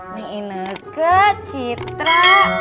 ini ine ke citra